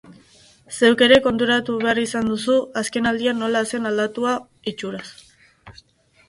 Zeuk ere konturatu behar izan duzu azken aldian nola zen aldatua itxuraz.